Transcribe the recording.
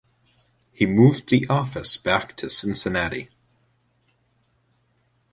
He moved the office back to Cincinnati.